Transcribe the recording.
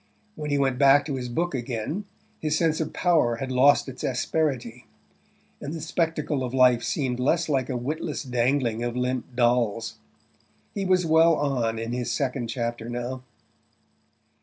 When he went back to his book again his sense of power had lost its asperity, and the spectacle of life seemed less like a witless dangling of limp dolls. He was well on in his second chapter now.